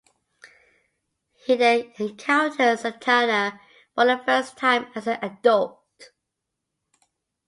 He then encountered Satana for the first time as an adult.